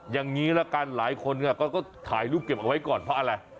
อย่างนี้ละกันหลายคนก็ถ่ายรูปเก็บเอาไว้ก่อนเพราะอะไร